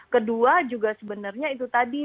kedua juga sebenarnya itu tadi